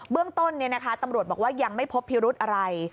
เรื่องต้นตำรวจบอกว่ายังไม่พบพิรุธอะไร